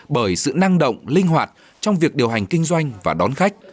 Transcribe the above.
bởi sự năng động linh hoạt trong việc điều hành kinh doanh và đón khách